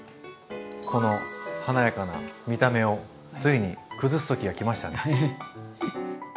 この華やかな見た目をついに崩す時が来ましたね。